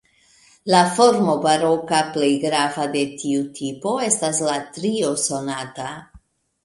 La formo baroka plej grava de tiu tipo estas la trio sonata.